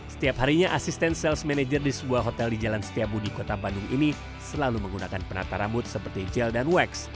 setiap harinya asisten sales manager di sebuah hotel di jalan setiabu di kota bandung ini selalu menggunakan penata rambut seperti gel dan wadah